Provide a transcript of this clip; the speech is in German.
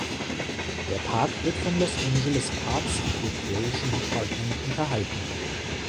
Der Park wird vom Los Angeles Parks and Recreation Department unterhalten.